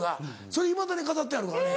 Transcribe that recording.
それいまだに飾ってあるからね。